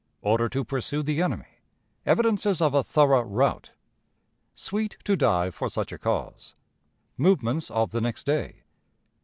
Order to pursue the Enemy. Evidences of a Thorough Rout. "Sweet to die for such a Cause." Movements of the Next Day.